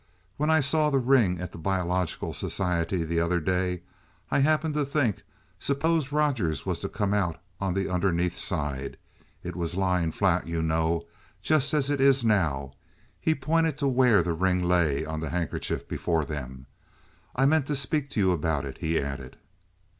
"When I saw the ring at the Biological Society the other day, I happened to think, suppose Rogers was to come out on the underneath side? It was lying flat, you know, just as it is now." He pointed to where the ring lay on the handkerchief before them. "I meant to speak to you about it," he added.